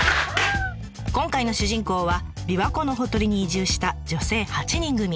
今回の主人公は琵琶湖のほとりに移住した女性８人組。